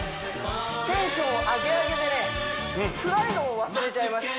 テンションアゲアゲでねつらいのを忘れちゃいます